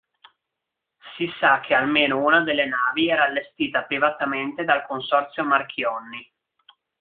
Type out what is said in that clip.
Si sa che almeno una delle navi era allestita privatamente dal consorzio Marchionni.